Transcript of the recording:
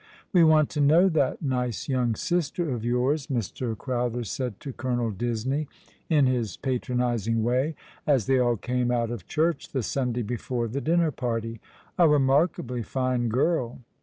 " We want to know that nice, young sister of yours," Mr. Crowther said to Colonel Disney, in his patronizing way, as they all came out of church the Sunday before the dinner party. " A remarkably fine girl."